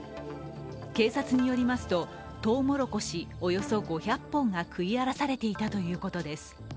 警察によりますと、とうもろこしおよそ５００本が食い荒らされていたということです。